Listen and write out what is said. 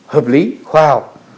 hợp lý khoa học